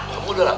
kamu udah lah